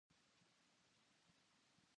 麻雀の役を全部覚えた